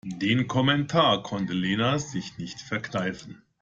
Den Kommentar konnte Lena sich nicht verkneifen.